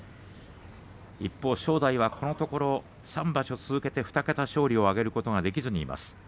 一方、正代はこのところ３場所続けて２桁勝利を挙げることができません。